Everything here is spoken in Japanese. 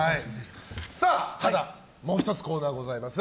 まだ、もう１つコーナーがございます。